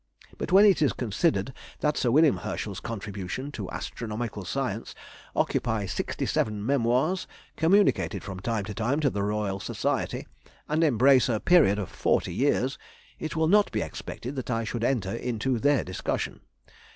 But when it is considered that Sir W. Herschel's contributions to astronomical science occupy sixty seven memoirs, communicated from time to time to the Royal Society, and embrace a period of forty years, it will not be expected that I should enter into their discussion.